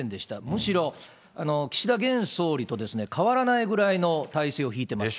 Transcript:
むしろ、岸田現総理と変わらないぐらいの態勢を敷いてます。